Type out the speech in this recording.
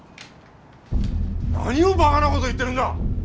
何をバカな事言ってるんだ！